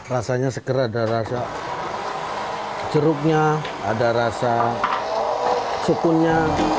rasanya seger ada rasa jeruknya ada rasa sukunnya